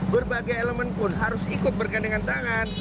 berbagai elemen pun harus ikut bergandengan tangan